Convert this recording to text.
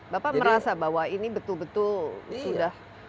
bapak merasa bahwa ini betul betul sudah jadi semangat